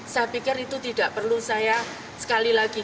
saya pikir itu tidak perlu saya sekali lagi